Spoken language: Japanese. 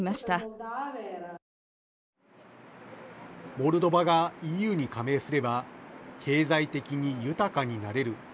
モルドバがＥＵに加盟すれば経済的に豊かになれる。